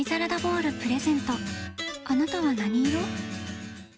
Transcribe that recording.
あなたは何色？